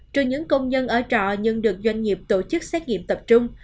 trừ những công nhân ở trọ nhưng được doanh nghiệp tổ chức xét nghiệm tập trung